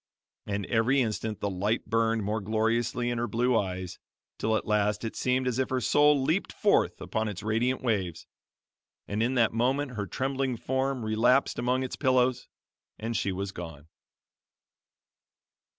And every instant the light burned more gloriously in her blue eyes till at last it seemed as if her soul leaped forth upon its radiant waves; and in that moment her trembling form relapsed among its pillows and she was gone.